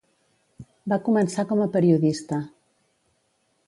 Va començar com a periodista.